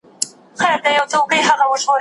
تاسې په خپلو منځونو کې شخړې مه کوئ.